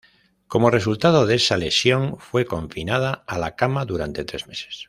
Como resultado de esa lesión, fue confinada a la cama durante tres meses.